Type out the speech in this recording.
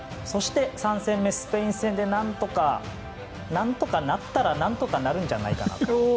そして３戦目スペイン戦で何とかなったら何とかなるんじゃないか。